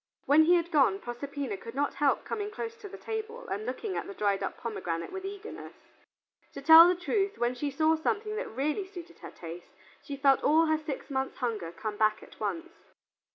When he had gone, Proserpina could not help coming close to the table and looking at the dried up pomegranate with eagerness. To tell the truth, when she saw something that really suited her taste, she felt all her six months' hunger come back at once.